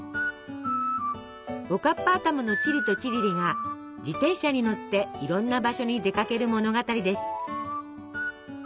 おかっぱ頭のチリとチリリが自転車に乗っていろんな場所に出かける物語です。